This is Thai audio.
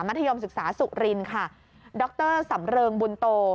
ธยมศึกษาสุรินค่ะดรสำเริงบุญโต